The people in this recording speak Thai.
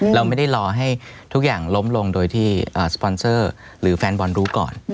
เราไม่ได้รอให้ทุกอย่างล้มลงโดยที่สปอนเซอร์หรือแฟนบอลรู้ก่อน